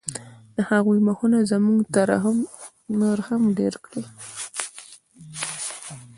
د هغوی مخونو زموږ ترحم نور هم ډېر کړ